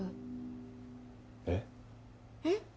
えっ？えっ？